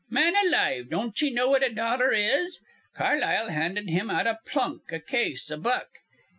Man alive, don't ye know what a dollar is? Carlisle'd hand him out a plunk, a case, a buck.